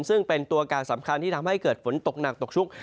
ซึ่งเป็นตัวการสำคัญที่ทำให้เกิดฝนตกหนักตกชุก